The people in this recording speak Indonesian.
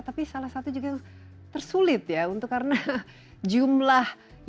tapi salah satu juga yang tersulit ya untuk karena jumlah yang mendaftar